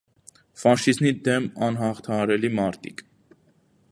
Ֆաշիզմի դեմ անհաղթահարելի մարտիկ։